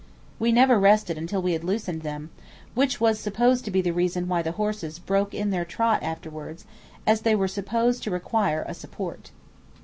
We never rested until we had loosened them, which was supposed to be the reason why the horses broke in their trot afterwards, as they were supposed to require a support.